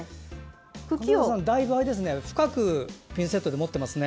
金沢さん、だいぶ深くピンセットで持っていますね。